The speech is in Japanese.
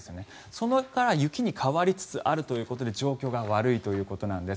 それから雪に変わりつつあるということで状況が悪いということです。